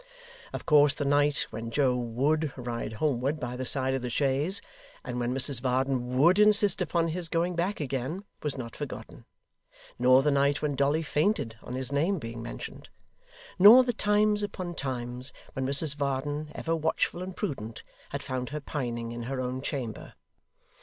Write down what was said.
Of course the night when Joe WOULD ride homeward by the side of the chaise, and when Mrs Varden WOULD insist upon his going back again, was not forgotten nor the night when Dolly fainted on his name being mentioned nor the times upon times when Mrs Varden, ever watchful and prudent, had found her pining in her own chamber.